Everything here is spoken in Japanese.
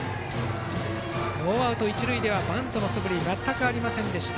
ノーアウト、一塁ではバントのそぶりが全くありませんでした